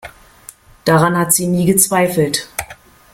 Daran hat sie nie gezweifelt.